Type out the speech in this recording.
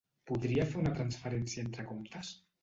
Podria fer una transferencia entre comptes?